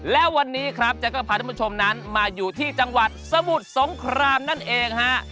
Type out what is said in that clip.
และวันนี้ครับแจ๊กก็พาท่านผู้ชมนั้นมาอยู่ที่จังหวัดสมุทรสงครามนั่นเองฮะ